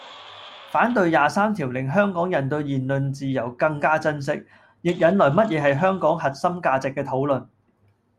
反對廿三條令香港人對言論自由更加珍惜，亦引來乜嘢係香港核心價值嘅討論